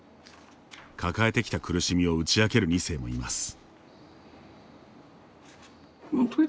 抱えてきた苦しみを打ち明ける２世もいます。